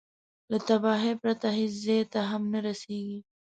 له تباهي پرته هېڅ ځای ته هم نه رسېږي.